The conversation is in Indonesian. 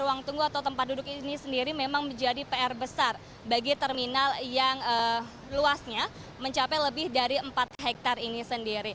ruang tunggu atau tempat duduk ini sendiri memang menjadi pr besar bagi terminal yang luasnya mencapai lebih dari empat hektare ini sendiri